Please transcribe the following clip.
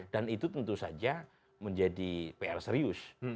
dan itu tentu saja menjadi pr serius